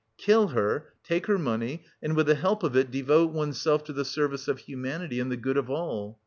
Kill her, take her money and with the help of it devote oneself to the service of humanity and the good of all.